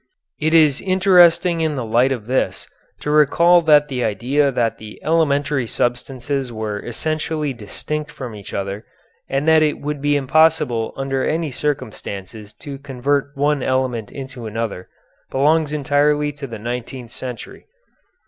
It is interesting in the light of this to recall that the idea that the elementary substances were essentially distinct from each other, and that it would be impossible under any circumstances to convert one element into another, belongs entirely to the nineteenth century.